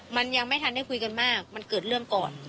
มันยังไม่ทันได้คุยกันมากมันเกิดเรื่องก่อน